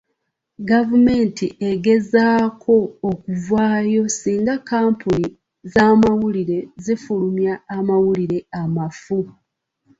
Gavumenti egezaako okuvaayo singa kkampuni z'amawulire zifulumya amawulire amafu.